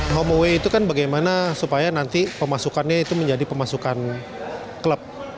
home away itu kan bagaimana supaya nanti pemasukannya itu menjadi pemasukan klub